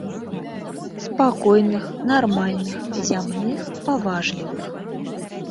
Спакойных, нармальных, зямных, паважлівых.